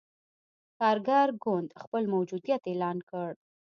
کارګر ګوند خپل موجودیت اعلان کړ.